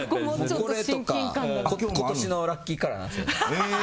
これとかも今年のラッキーカラーなんすよ。